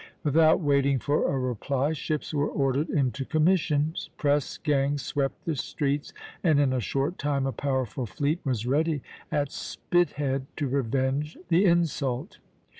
Without waiting for a reply, ships were ordered into commission, press gangs swept the streets, and in a short time a powerful fleet was ready at Spithead to revenge the insult.